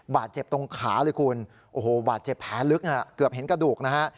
บาดเจ็บตรงขาเลยคุณโอ้โหบาดเจ็บแผลลึกเกือบเห็นกระดูกนะฮะ